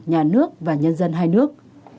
nhà nước và nhân dân hai nước